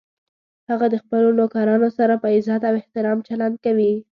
هغه د خپلو نوکرانو سره په عزت او احترام چلند کوي